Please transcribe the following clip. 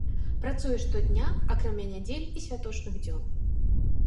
Працуе штодня, акрамя нядзель і святочных дзён.